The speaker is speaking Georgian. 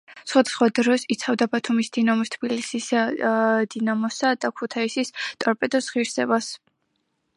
სხვადასხვა დროს იცავდა ბათუმის „დინამოს“, თბილისის „დინამოსა“ და ქუთაისის „ტორპედოს“ ღირსებას.